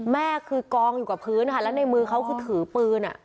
แม่คือกองจงอยู่กับพื้นในมือเค้าก็ถือปืน